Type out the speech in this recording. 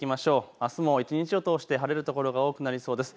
あすも一日を通して晴れる所が多くなりそうです。